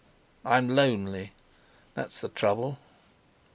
I'm lonely—that's the trouble."